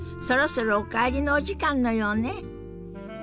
そろそろお帰りのお時間のようね。